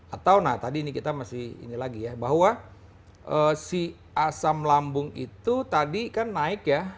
atau nah tadi ini kita masih ini lagi ya bahwa si asam lambung itu tadi kan naik ya